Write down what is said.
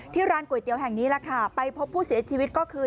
ร้านก๋วยเตี๋ยวแห่งนี้แหละค่ะไปพบผู้เสียชีวิตก็คือ